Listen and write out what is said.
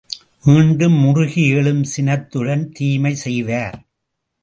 மீண்டும் முறுகி எழும் சினத்துடன் தீமை செய்வார்.